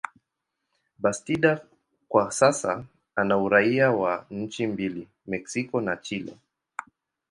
Bastida kwa sasa ana uraia wa nchi mbili, Mexico na Chile.